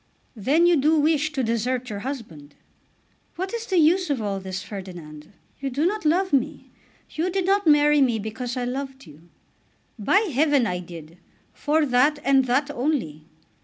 "Then you do wish to desert your husband?" "What is the use of all this, Ferdinand? You do not love me. You did not marry me because I loved you." "By heaven I did; for that and that only."